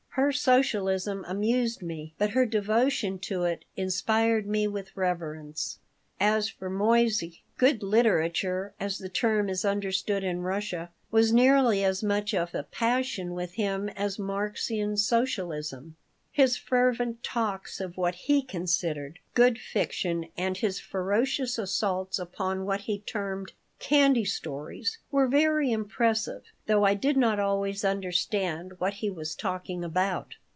Her socialism amused me, but her devotion to it inspired me with reverence. As for Moissey, good literature, as the term is understood in Russia, was nearly as much of a passion with him as Marxian socialism. His fervent talks of what he considered good fiction and his ferocious assaults upon what he termed "candy stories" were very impressive, though I did not always understand what he was talking about.